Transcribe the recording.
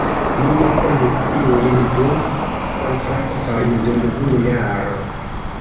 Mi ne konis tiujn du kontraktojn dum unu jaro.